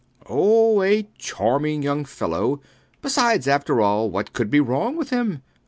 B. Oh, a charming young fellow. Besides, after all, what could be wrong with him?